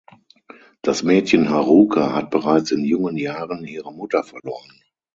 Das Mädchen Haruka hat bereits in jungen Jahren ihre Mutter verloren.